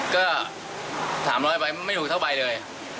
ก็๓๐๐ใบไม่ถูกเท่าใบเลย